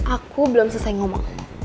aku belum selesai ngomong